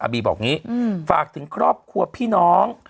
บีบอกอย่างนี้ฝากถึงครอบครัวพี่น้อง